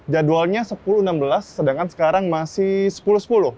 jadwalnya sepuluh enam belas sedangkan sekarang masih sepuluh sepuluh